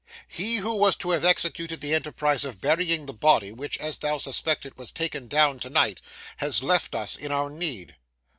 He who was to have executed the enterprise of burying that body, which, as thou hast suspected, was taken down to night, has left us in our need.